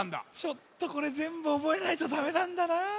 ちょっとこれぜんぶおぼえないとダメなんだな。